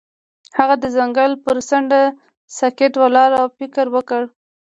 هغه د ځنګل پر څنډه ساکت ولاړ او فکر وکړ.